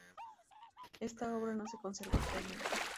Esta obra no se conserva actualmente.